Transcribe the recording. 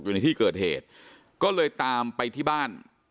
อยู่ในที่เกิดเหตุก็เลยตามไปที่บ้าน